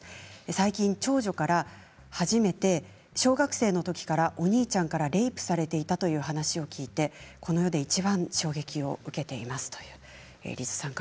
最近、長女から初めて小学生のときからお兄ちゃんからレイプされていたという話を聞いてこの世で、いちばん衝撃を受けています。